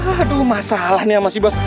aduh masalah nih sama si bos